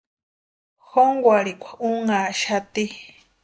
Jónkwarhikwa únhaxati.